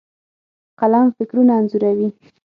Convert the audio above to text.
قلم فکرونه انځوروي.